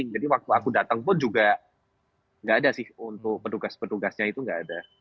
jadi waktu aku datang pun juga enggak ada sih untuk petugas petugasnya itu enggak ada